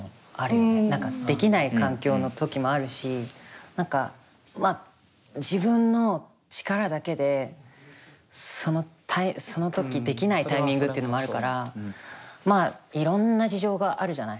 何かできない環境の時もあるし何かまあ自分の力だけでその時できないタイミングってのもあるからまあいろんな事情があるじゃない。